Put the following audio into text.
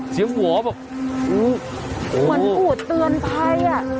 เสียงหัวบอกโอ้โหเหมือนกูเตือนใคร